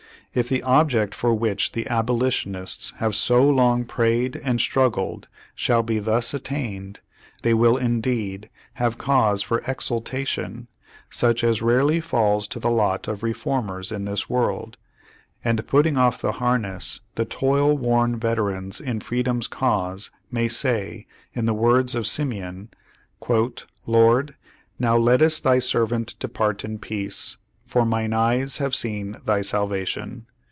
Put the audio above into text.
If the object for which the Abolitionists have so long prayed and struggled shall be thus attained, they will indeed have cause for exultation such as rarely falls to the lot of reformers in this world, and putting off the harness, the toil worn veterans in freedom's cause may say, in the words of Simeon, 'Lord, now lettest thy servant depart in peace, for mine eyes have seen thy salvation.'